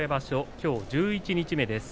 きょう十一日目です。